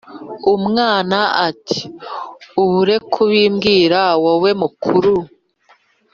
Umwana ati «ubure kubimbwira wowe mukuru!»